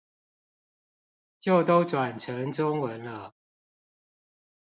就都轉成中文了